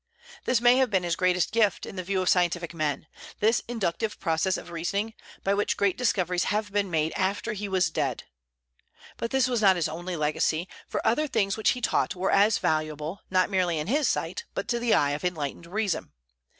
This may have been his greatest gift in the view of scientific men, this inductive process of reasoning, by which great discoveries have been made after he was dead. But this was not his only legacy, for other things which he taught were as valuable, not merely in his sight, but to the eye of enlightened reason.